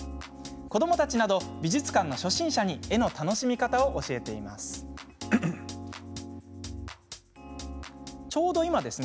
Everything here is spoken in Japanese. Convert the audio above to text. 子どもたちなど美術館の初心者に絵の楽しみ方を教えています。